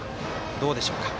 どうでしょうか。